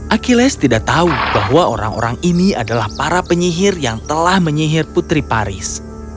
achilles tidak tahu bahwa orang orang ini adalah para penyihir yang telah menyihir putri paris